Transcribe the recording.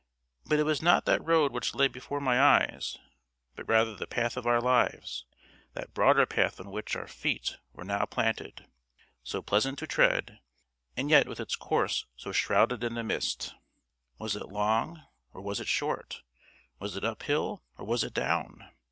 But it was not that road which lay before my eyes, but rather the path of our lives; that broader path on which our feet were now planted, so pleasant to tread, and yet with its course so shrouded in the mist. Was it long, or was it short? Was it uphill, or was it down?